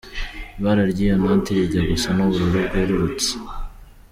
Ibara ry’iyo noti rijya gusa n’ubururu bwerurutse.